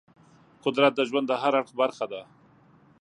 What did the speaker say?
قدرت د ژوند د هر اړخ برخه ده.